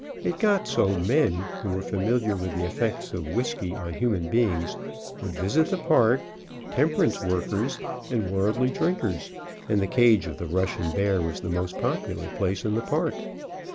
It got so men who were familiar with the effects of whisky on human beings would visit the park, temperance workers and worldly drinkers, and the cage of the Russian bear was the most popular place in the park.